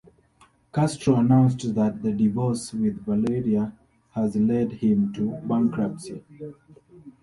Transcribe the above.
Castro announced that the divorce with Valeria has led him to bankruptcy.